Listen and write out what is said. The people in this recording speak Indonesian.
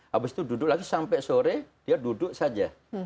lalu dia duduk lagi sampai sore dia duduk saja